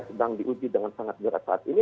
sedang diuji dengan sangat berat saat ini